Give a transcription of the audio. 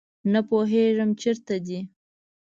نه پوهیږم چیرته دي